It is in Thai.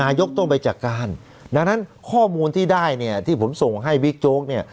ต้องไปจัดการดังนั้นข้อมูลที่ได้เนี่ยที่ผมส่งให้บิ๊กโจ๊กเนี่ย